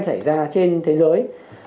xảy ra trên thế giới